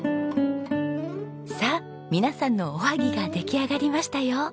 さあ皆さんのおはぎが出来上がりましたよ。